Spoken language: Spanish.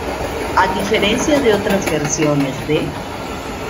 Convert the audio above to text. A diferencia de otras versiones de.